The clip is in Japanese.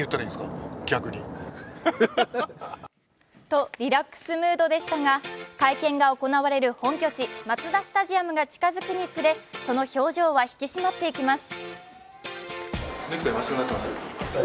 とリラックスムードでしたが会見が行われる本拠地、マツダスタジアムが近づくにつれその表情は引き締まっていきます。